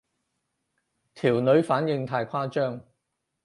條女反應太誇張